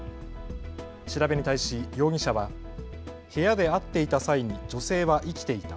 調べに対し容疑者は部屋で会っていた際に女性は生きていた。